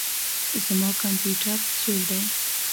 زما کمپيوټر زوړ دئ.